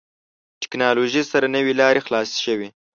ټکنالوژي سره نوې لارې خلاصې شوې.